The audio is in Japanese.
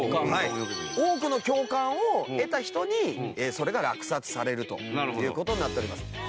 多くの共感を得た人にそれが落札されるという事になっております。